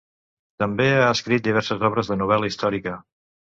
També ha escrit diverses obres de novel·la històrica.